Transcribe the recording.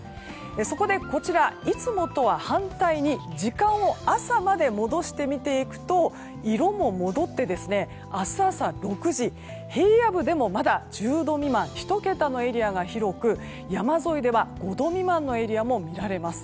そこで、こちらいつもとは反対に時間を朝まで戻して見ていくと色も戻って、明日朝６時平野部でもまだ１０度未満１桁のエリアが広く山沿いでは５度未満のエリアも見られます。